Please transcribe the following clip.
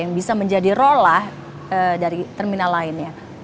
yang bisa menjadi rollah dari terminal lainnya